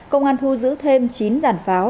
công an thu giữ thêm chín giàn pháo